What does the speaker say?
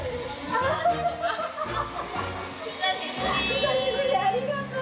久しぶりありがとう！